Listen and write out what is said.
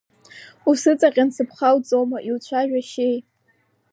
Усыҵаҟьаны сыԥхоуҵома, иуцәажәашьеи?